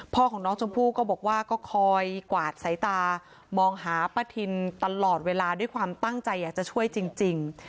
พ่อของน้องชมพู่ก็บอกว่าก็คอยกวาดสายตามองหาป้าทินตลอดเวลาด้วยความตั้งใจอยากจะช่วยจริง